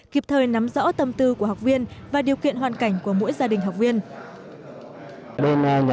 kịp thời nắm rõ tâm tư của học viên và điều kiện hoàn cảnh của mỗi gia đình học viên